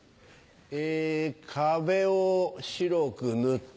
え壁を白く塗って。